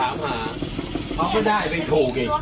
อาวุธแห่งแล้วพอเดินได้ผมว่าเจอบัตรภรรยากุศิษภัณฑ์